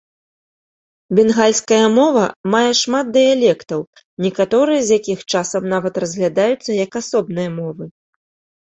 Бенгальская мова мае шмат дыялектаў, некаторыя з якіх часам нават разглядаюцца як асобныя мовы.